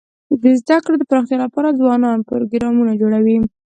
د زده کړو د پراختیا لپاره ځوانان پروګرامونه جوړوي.